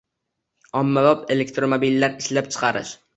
ommabop elektromobillar ishlab chiqarish.